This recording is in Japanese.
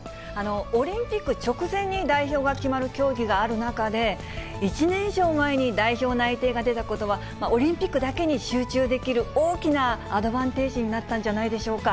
オリンピック直前に代表が決まる競技がある中で、１年以上前に代表内定が出たことは、オリンピックだけに集中できる大きなアドバンテージになったんじゃないでしょうか。